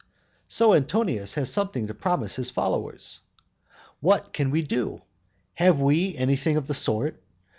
So Antonius has something to promise to his followers. What can we do? Have we anything of the sort?